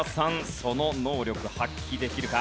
その能力発輝できるか？